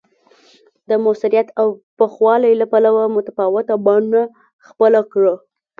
د موثریت او پوخوالي له پلوه متفاوته بڼه خپله کړه